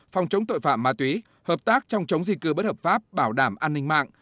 phòng chống tội phạm ma túy hợp tác trong chống di cư bất hợp pháp bảo đảm an ninh mạng